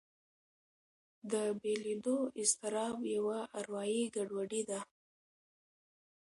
دا بېلېدو اضطراب یوه اروایي ګډوډي ده.